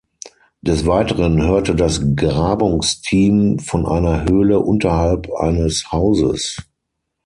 Des Weiteren hörte das Grabungsteam von einer Höhle unterhalb eines Hauses.